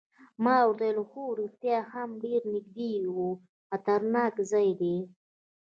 ما ورته وویل: هو رښتیا هم ډېر نږدې یو، خطرناک ځای دی.